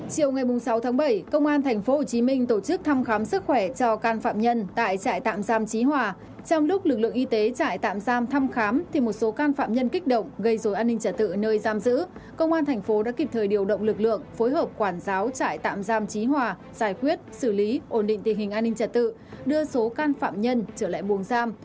công an tp hcm đã kịp thời điều động lực lượng phối hợp quản giáo trại tạm giam trí hòa giải quyết xử lý ổn định tình hình an ninh trả tự đưa số can phạm nhân trở lại buồng giam